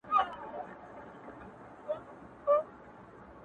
زه ترينه هره شپه کار اخلم پرې زخمونه گنډم!